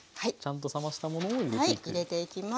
ちゃんと冷ましたものを入れていく。